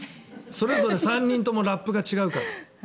それぞれ３人ともラップが違うから。